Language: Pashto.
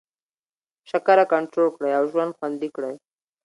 شکره کنټرول کړئ او ژوند خوندي کړئ.